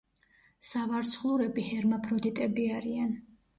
სავარცხლურები ჰერმაფროდიტები არიან.